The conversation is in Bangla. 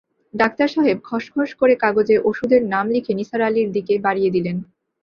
ডাক্তার সাহেব খসখস করে কাগজে অষুধের নাম লিখে নিসার আলির দিকে বাড়িয়ে দিলেন।